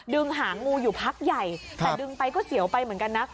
หางูอยู่พักใหญ่แต่ดึงไปก็เสียวไปเหมือนกันนะ